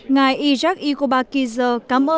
ngài irak likobar kizer cảm ơn